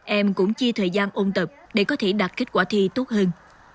em cũng chia thời gian ôn tập để có thể đạt kết quả thi tốt hơn